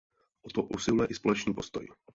O to usiluje i společný postoj.